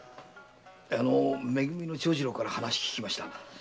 め組の長次郎から話は聞きました。